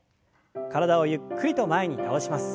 体をゆっくりと前に倒します。